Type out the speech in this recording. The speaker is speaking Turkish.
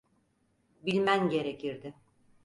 Bilmen gerekirdi.